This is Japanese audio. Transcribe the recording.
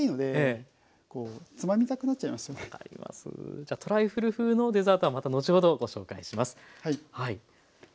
じゃあトライフル風のデザートはまた後ほどご紹介します。